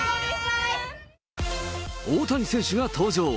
大谷選手が登場。